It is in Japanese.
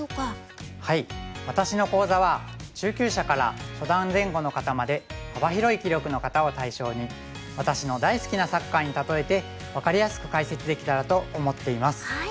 私の講座は中級者から初段前後の方まで幅広い棋力の方を対象に私の大好きなサッカーに例えて分かりやすく解説できたらと思っています。